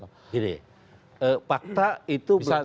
pak fakta itu